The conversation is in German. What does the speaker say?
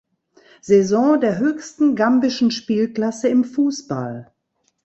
Saison der höchsten gambischen Spielklasse im Fußball.